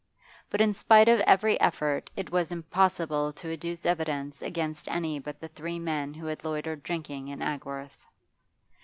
But in spite of every effort it was impossible to adduce evidence against any but the three men who had loitered drinking in Agworth.